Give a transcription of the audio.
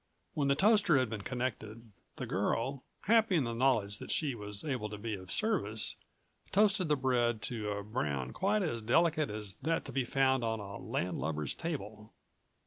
When the toaster had been connected, the girl, happy in the knowledge that she was able to be of service, toasted the bread to a brown quite as delicate as that to be found on a landlubber's table.